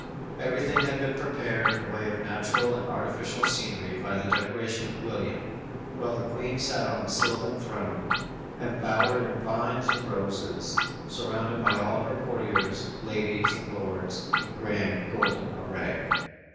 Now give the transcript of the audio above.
Everything had been prepared in the way of natural and artificial scenery by the direction of William, while the Queen sat on a sylvan throne, embowered in vines and roses, surrounded by all her courtiers, ladies and lords, in grand, golden array.